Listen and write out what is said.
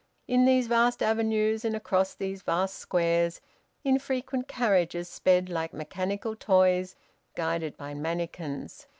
In these vast avenues and across these vast squares infrequent carriages sped like mechanical toys guided by mannikins.